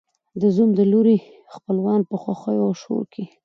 د زوم د لوري خپلوان په خوښیو او شور کې